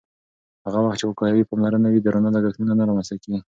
هغه وخت چې وقایوي پاملرنه وي، درانه لګښتونه نه رامنځته کېږي.